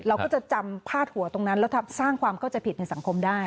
เราก็จะจำพาดหัวตรงนั้นแล้วสร้างความเข้าใจผิดในสังคมได้